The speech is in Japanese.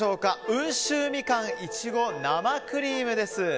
温州みかん苺生クリームです。